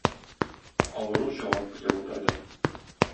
Авыру җавап көтеп утырды.